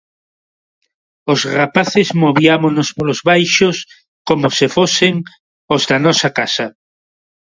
Os rapaces moviámonos polos baixos como se fosen os da nosa casa.